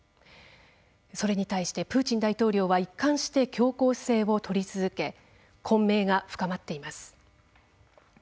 それに対してプーチン大統領は一貫して強硬姿勢をとり続け混迷が深まっています。